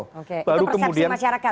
itu persepsi masyarakat ya